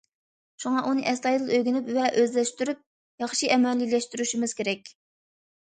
شۇڭا ئۇنى ئەستايىدىل ئۆگىنىپ ۋە ئۆزلەشتۈرۈپ، ياخشى ئەمەلىيلەشتۈرۈشىمىز كېرەك.